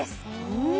うん！